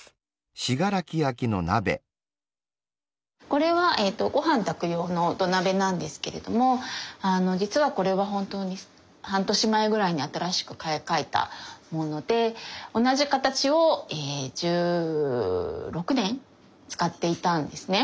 これはご飯炊く用の土鍋なんですけれども実はこれは本当に半年前ぐらいに新しく買い替えたもので同じ形を１６年使っていたんですね。